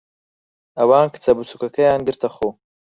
ئەوان کچە بچووکەکەیان گرتەخۆ.